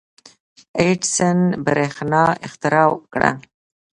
• اډېسن برېښنا اختراع کړه.